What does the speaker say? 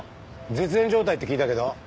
絶縁状態って聞いたけど？